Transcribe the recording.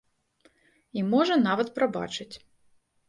І можа, нават прабачыць.